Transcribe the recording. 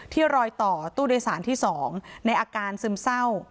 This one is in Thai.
รอยต่อตู้โดยสารที่๒ในอาการซึมเศร้า